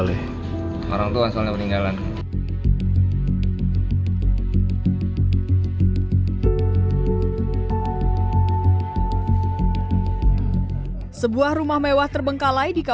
enggak sama sekali